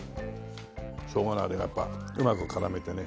しょうがのあれがやっぱうまく絡めてね。